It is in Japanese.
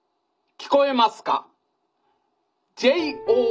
「聞こえますか。